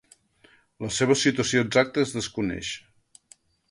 La seva situació exacta es desconeix.